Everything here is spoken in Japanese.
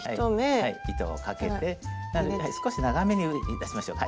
糸をかけて少し長めに出しましょう。